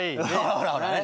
ほらほらね